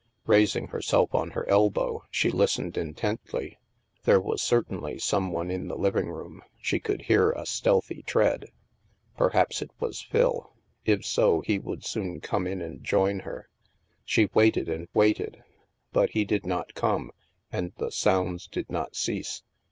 Raising herself on her elbow, she listened intently. There was certainly some one in the living room; she could hear a stealthy tread. Perhaps it was Phil; if so, he would soon come in and join her. She waited and waited, but he did not come, and the sounds did not cease.